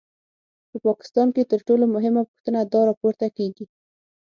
په پاکستان کې تر ټولو مهمه پوښتنه دا راپورته کېږي.